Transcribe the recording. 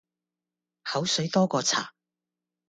口水多过茶